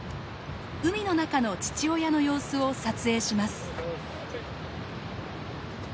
海の中の父親の様子を撮影します。